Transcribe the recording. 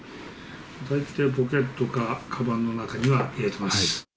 ポケットかかばんの中には入れてます。